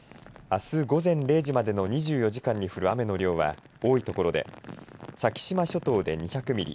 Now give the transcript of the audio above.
あす午前０時までの２４時間に降る雨の量は多い所で先島諸島で２００ミリ